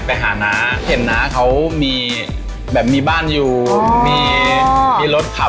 ไปหาน้าเห็นน้าเขามีแบบมีบ้านอยู่มีรถขับ